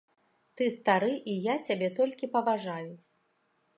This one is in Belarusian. Ты стары, і я цябе толькі паважаю.